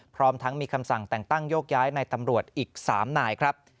พร้อมทั้งมีคำสั่งแต่งตั้งโยกย้ายในตำรวจอีก๓นายครับ